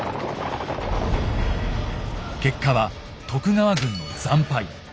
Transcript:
結果は徳川軍の惨敗。